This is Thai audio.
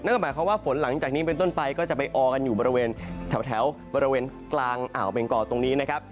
หมายความว่าฝนหลังจากนี้เป็นต้นไปก็จะไปออกันอยู่บริเวณแถวบริเวณกลางอ่าวเบงกอตรงนี้นะครับ